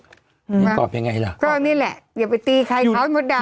อยู่ในกรอบยังไงเหรอก็นี่แหละอย่าไปตีใครเขาหมดดัง